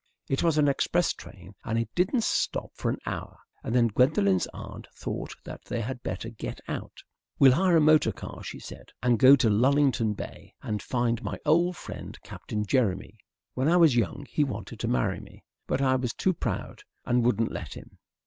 It was an express train, and it didn't stop for an hour, and then Gwendolen's aunt thought that they had better get out. "We'll hire a motor car," she said, "and go to Lullington Bay and find my old friend Captain Jeremy. When I was young he wanted to marry me. But I was too proud and wouldn't let him."